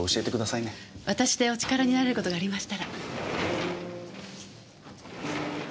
私でお力になれる事がありましたら。